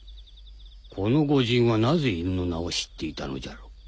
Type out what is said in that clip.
このご仁はなぜ犬の名を知っていたのじゃろう？